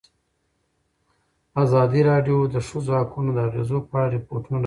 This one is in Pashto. ازادي راډیو د د ښځو حقونه د اغېزو په اړه ریپوټونه راغونډ کړي.